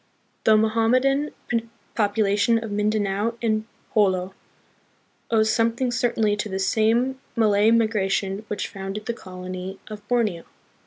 The Mohammedan Population of Mindanao and Jolo owes something certainly to this same Malay migra tion which founded the colony of Borneo.